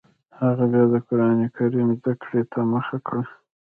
هغه بیا د قران کریم زده کړې ته مخه کړه